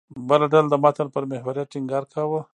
بله ډله د متن پر محوریت ټینګار کاوه.